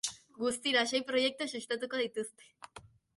Guztira sei proiektu sustatuko dituzte.